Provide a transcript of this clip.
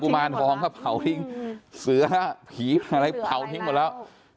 มารทองก็เผาทิ้งเสือผีอะไรเผาทิ้งหมดแล้ว